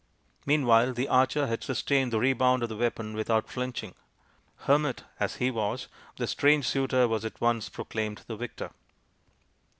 Meanwhile the archer had sustained the rebound of the weapon without flinching. Hermit as he was, the strange suitor was at once proclaimed the victor.